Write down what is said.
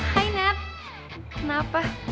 hai nat kenapa